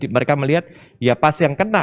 mereka melihat ya pasti yang kena